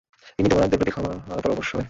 তিনি তোমাদের প্রতি ক্ষমাপরবশ হবেন।